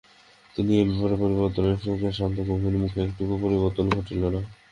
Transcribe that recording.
কিন্তু এই ব্যবহারের পরিবর্তনে শুকের শান্ত গম্ভীর মুখে এতটুকু পরিবর্তন ঘটিল না।